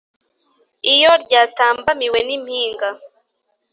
Iyo ryatambamiwe nimpinga